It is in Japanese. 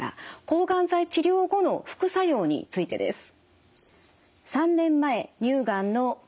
抗がん剤治療後の副作用についてです。